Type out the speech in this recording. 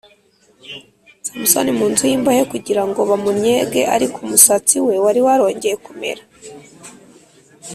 Samusoni mu nzu y imbohe kugira ngo bamunnyege Ariko umusatsi we wari warongeye kumera